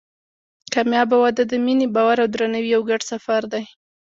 کامیابه واده د مینې، باور او درناوي یو ګډ سفر دی.